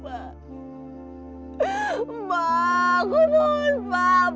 bapak aku mohon pak